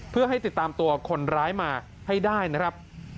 เพื่อให้ติดตามตัวคนร้ายมาให้ได้นะครับ